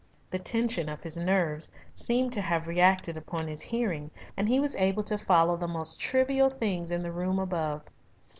The tension of his nerves seemed to have reacted upon his hearing, and he was able to follow the most trivial things in the room above.